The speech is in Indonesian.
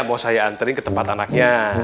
mau saya antri ke tempat anaknya